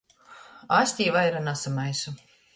Es tī vaira nasamaisu.